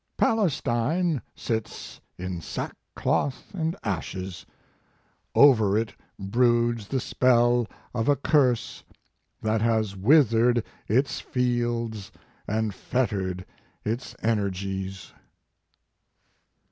" Palestine sits in sackcloth and ashes. Over it broods the spell of a curse that has withered its fields and fettered its energies."